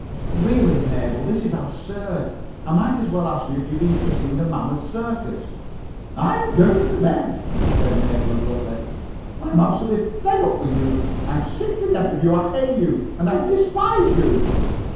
"Really, Mabel, this is absurd. I might as well ask you if you have been kissing the Mammoth Circus." "I'm going to bed," said Mabel abruptly. "I'm [Pg 32]absolutely fed up with you. I'm sick to death of you. I hate you. And I despise you."